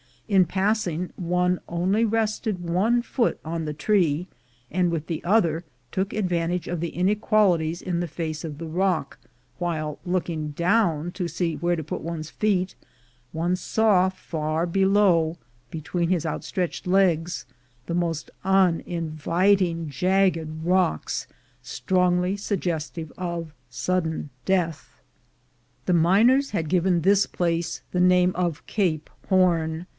In passing, one only rested one foot on the tree, and with the other took advantage of the inequalities in the face of the rock; while looking down to see where to put one's feet, one saw far be low, between his outstretched legs, the most unin viting jagged rocks, strongly suggestive of sudden death. The miners had given this place the name of Cape Horn.